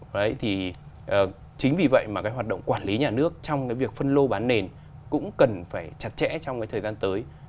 đấy thì chính vì vậy mà cái hoạt động quản lý nhà nước trong cái việc phân lô bán nền cũng cần phải chặt chẽ trong cái thời gian tới